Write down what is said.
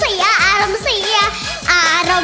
โมโฮโมโฮโมโฮ